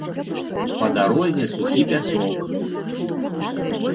Па дарозе сухі пясок.